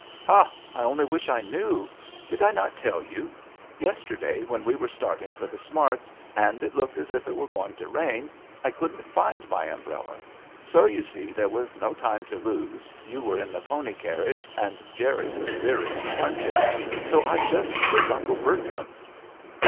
" Ha ! I only wish I knew ! Did I not tell you ? Yesterday, when we were starting for the Smarts, and it looked as if it were going to rain, I couldn't find my umbrella ; so — ^you see there was no time to lose, you were in the pony carriage and Jerry was rearing and plunging — so I just took Uncle Bertram's."